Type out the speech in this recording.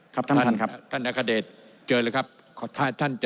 ครับท่านท่านครับท่านนักฆเดชเจอแล้วครับถ้าท่านจะ